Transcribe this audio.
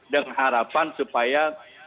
dengan harapan supaya